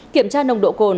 kiểm tra nồng độ cồn